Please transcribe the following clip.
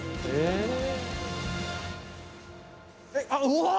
うわ！